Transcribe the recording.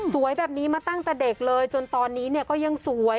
สวยแบบนี้มาตั้งแต่เด็กเลยจนตอนนี้เนี่ยก็ยังสวย